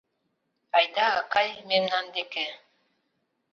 Айда, акай, мемнан деке